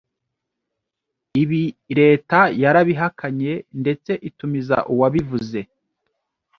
Ibi leta yarabihakanye ndetse itumiza uwabivuze